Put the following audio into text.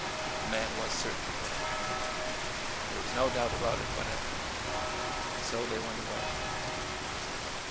The man was certainly dead. There was no doubt about it whatever. And so they went away.